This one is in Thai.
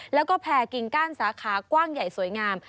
แล้วก็แผ่กิ่งก้านสาขากว้างใหญ่สวยงาม